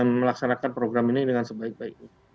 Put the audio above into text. melaksanakan program ini dengan sebaik baiknya